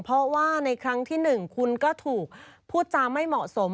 เพราะว่าในครั้งที่๑คุณก็ถูกพูดจาไม่เหมาะสม